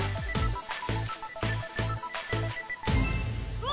うわ！